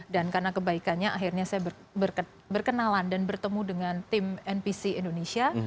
dan karena kebaikannya akhirnya saya berkenalan dan bertemu dengan tim npc indonesia